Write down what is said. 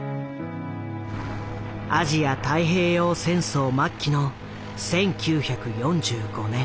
アジア太平洋戦争末期の１９４５年。